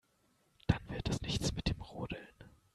Dann wird es nichts mit dem Rodeln.